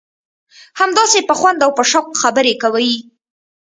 همداسې په خوند او په شوق خبرې کوي.